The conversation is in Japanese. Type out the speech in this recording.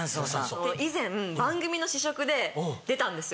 以前番組の試食で出たんですよ。